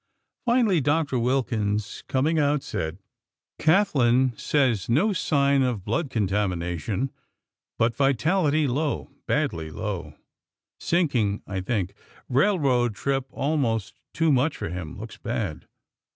Finally, Doctor Wilkins, coming out, said: "Kathlyn says no sign of blood contamination, but vitality low; badly low; sinking, I think. Railroad trip almost too much for him. Looks bad."